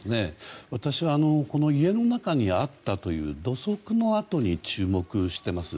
私は家の中にあったという土足の跡に注目しています。